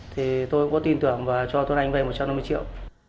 thì tôi cũng có tin tưởng và cho tuấn anh về một trăm năm mươi triệu